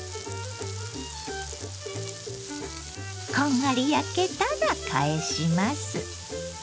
こんがり焼けたら返します。